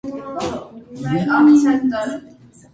Գրաֆիկի կառուցման համար կան բազմաթիվ տեսակներ։